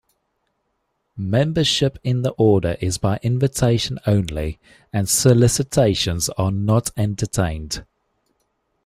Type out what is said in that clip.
Membership in the Order is by invitation only and solicitations are not entertained.